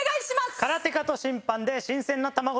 空手家と審判で新鮮なたまご。